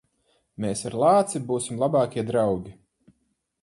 Mēs ar lāci būsim labākie draugi.